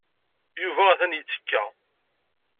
Yuba atan yettekka.